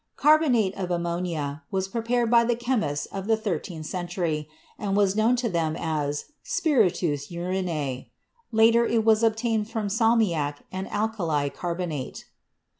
Carbonate of ammonia was prepared by the chemists of the thirteenth century and was known to them as "spiritus urinae" ; later it was ob tained from salmiac and alkali carbonate.